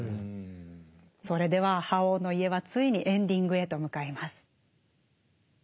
それでは「覇王の家」はついにエンディングへと向かいます。